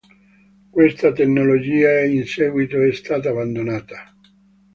Questa tecnologia in seguito è stata abbandonata.